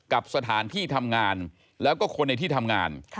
กับสถานที่ทำงานแล้วก็คนในที่ทำงาน